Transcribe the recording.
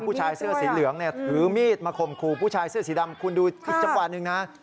ผู้ชายเสื้อสีเหลืองเนี่ยถือมีดมาข่มขู่ผู้ชายเสื้อสีดำคุณดูอีกจังหวะหนึ่งนะ